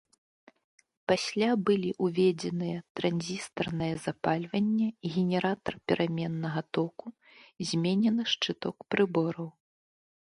Пасля былі ўведзеныя транзістарнае запальванне, генератар пераменнага току, зменены шчыток прыбораў.